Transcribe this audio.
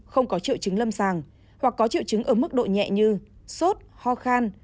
không có triệu chứng lâm sàng hoặc có triệu chứng ở mức độ nhẹ như sốt ho khan